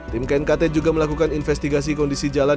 tim knkt juga melakukan investigasi kondisi jalan